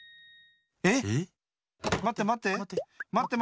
えっ⁉まってまって。